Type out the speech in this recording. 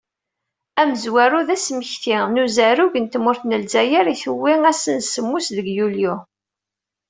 Amezwaru d asmekti n uzarug n tmurt n Lezzayer i tewwi ass, n semmus deg yulyu.